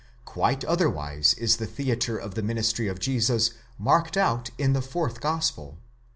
Quite otherwise is the theatre of the ministry of Jesus marked out in the fourth gospel.